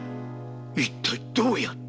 一体どうやって。